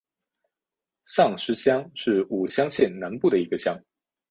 上司乡是武乡县南部的一个乡。